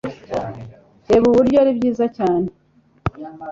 reba uburyo ari byiza cyane